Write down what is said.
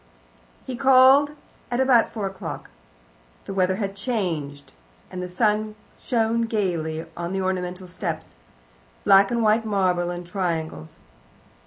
He called at about four o'clock. The weather had changed, and the sun shone gaily on the ornamental steps black and white marble in triangles.